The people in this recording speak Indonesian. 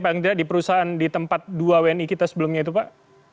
paling tidak di perusahaan di tempat dua wni kita sebelumnya itu pak